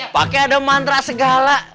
pakai ada mantra segala